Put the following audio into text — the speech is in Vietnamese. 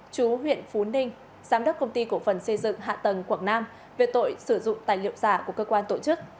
chú huyện phú ninh giám đốc công ty cổ phần xây dựng hạ tầng quảng nam về tội sử dụng tài liệu giả của cơ quan tổ chức